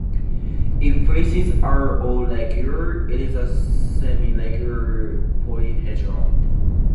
If faces are all regular, it is a semiregular polyhedron.